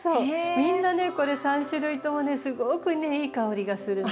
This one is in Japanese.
みんなねこれ３種類ともねすごくねいい香りがするの。